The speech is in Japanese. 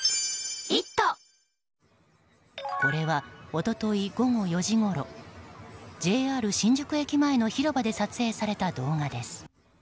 これは、一昨日午後４時ごろＪＲ新宿駅前の広場で撮影された動画です。